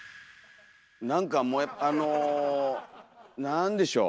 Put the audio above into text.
なんかもうあのなんでしょう